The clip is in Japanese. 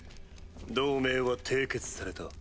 同盟は締結された。